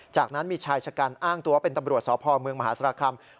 จากนั้นมีชายชะกันอ้างตัวเป็นตำรวจสพเมืองมหาศาลคำ